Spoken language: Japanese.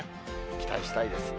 期待したいです。